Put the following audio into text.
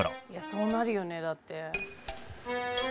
「そうなるよねだって」